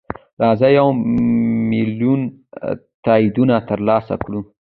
راځه یو میلیون تاییدونه ترلاسه کړو.